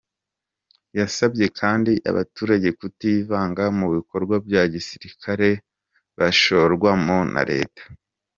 Yasabye kandi abaturage kutivanga mu bikorwa bya gisirikare bashorwamo na Leta.